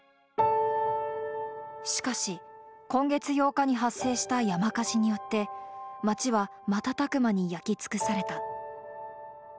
しかし、今月８日に発生した山火事によって、町は瞬く間に焼き尽くされた。